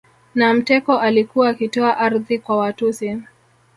Na mteko alikuwa akitoa ardhi kwa Watusi